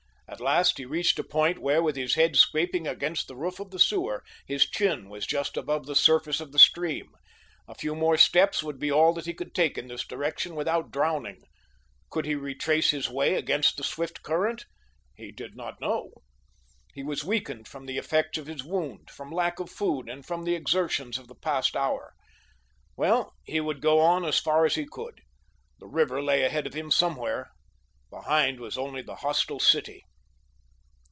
At last he reached a point where, with his head scraping against the roof of the sewer, his chin was just above the surface of the stream. A few more steps would be all that he could take in this direction without drowning. Could he retrace his way against the swift current? He did not know. He was weakened from the effects of his wound, from lack of food and from the exertions of the past hour. Well, he would go on as far as he could. The river lay ahead of him somewhere. Behind was only the hostile city.